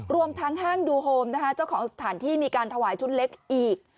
รวมทั้งห้างดูโฮมนะคะเจ้าของสถานที่มีการถวายชุดเล็กอีก